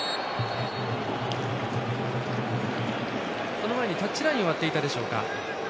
その前にタッチラインを割っていたでしょうか。